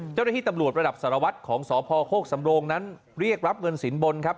เจ้าหน้าที่ตำรวจระดับสารวัตรของสพโคกสำโรงนั้นเรียกรับเงินสินบนครับ